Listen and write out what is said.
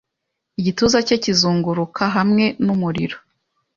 igituza cye kizunguruka hamwe numuriro